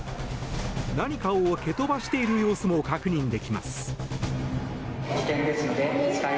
何かを蹴飛ばしている様子も確認できます。